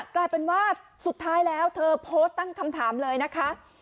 กลายเป็นว่าสุดท้ายแล้วเธอโพสต์ตั้งคำถามเลยนะคะ